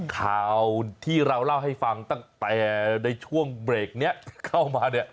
ข่าวที่เราเล่าให้ฟังตั้งแต่ในช่วงเบรกนี้เข้ามาเนี่ย